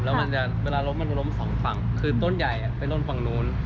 แล้วมันจะเวลาล้มมันล้มสองฝั่งคือต้นใหญ่ไปล้นฝั่งนู้น